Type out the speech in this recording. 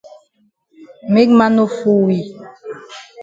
Make man no fool we.